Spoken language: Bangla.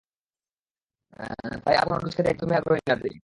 তাই আর কোনো ডোজ খেতে একদমই আগ্রহী না তিনি।